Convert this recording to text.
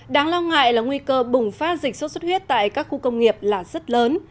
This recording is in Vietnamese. đáng lo ngại là nguy cơ bùng phát dịch sốt xuất huyết tại các khu công nghiệp là rất lớn